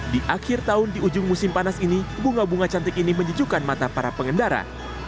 di akhir tahun di ujung musim panas ini bunga bunga cantik ini menyejukkan mata para pengendara